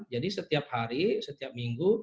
jadi setiap hari setiap minggu